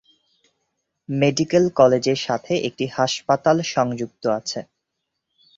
Medical কলেজের সাথে একটি হাসপাতাল সংযুক্ত আছে।